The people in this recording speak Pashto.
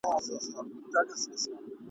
دا نظم مي !.